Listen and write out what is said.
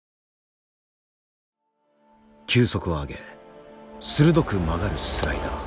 球速を上げ鋭く曲がるスライダー。